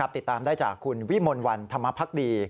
ติดตามได้จากคุณวิมลวันธรรมพักดี